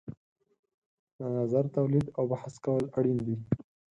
د نظر تولید او بحث کول اړین دي.